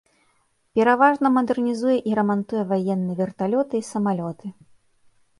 Пераважна мадэрнізуе і рамантуе ваенныя верталёты і самалёты.